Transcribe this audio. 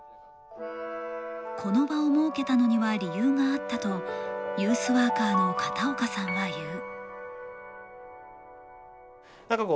この場を設けたのには理由があったとユースワーカーの片岡さんは言う。